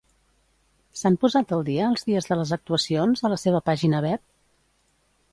S'han posat al dia els dies de les actuacions a la seva pàgina web?